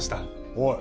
おい。